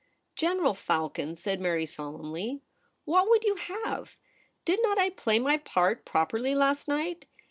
' General Falcon,' said Mary solemnly, ' what would you have ? Did not I play my part properly last night